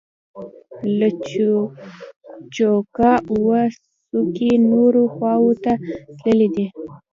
له چوکه اووه کوڅې نورو خواو ته تللي دي.